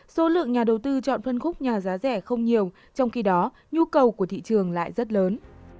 số lượng nhà đầu tư chọn phân khúc nhà giá rẻ không nhiều trong khi đó nhu cầu của thị trường lại rất lớn